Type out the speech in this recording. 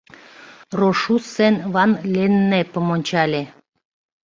Рошуссен Ван-Леннепым ончале.